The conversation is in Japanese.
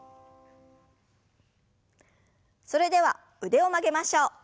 それでは腕を曲げましょう。